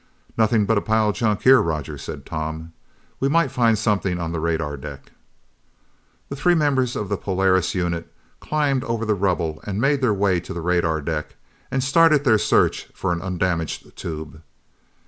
"Nothing but a pile of junk here, Roger," said Tom. "We might find something on the radar deck." The three members of the Polaris unit climbed over the rubble and made their way to the radar deck, and started their search for an undamaged tube.